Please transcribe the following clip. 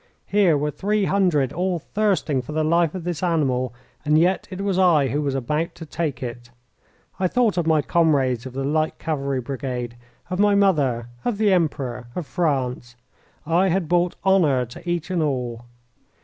Here were three hundred, all thirsting for the life of this animal, and yet it was I who was about to take it. I thought of my comrades of the light cavalry brigade, of my mother, of the Emperor, of France. I had brought honour to each and all.